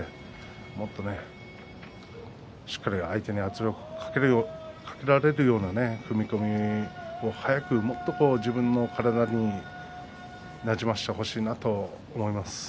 もっとしっかりと相手に圧力をかけられるような踏み込みを早く自分の体になじましてほしいなと思います。